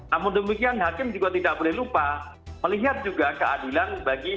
namun demikian hakim juga tidak boleh lupa melihat juga keadilan bagi